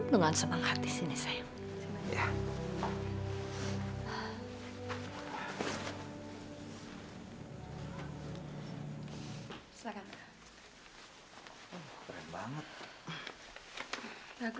dengan semangat di sini saya